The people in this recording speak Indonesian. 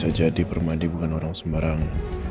saya jadi permadi bukan orang sembarang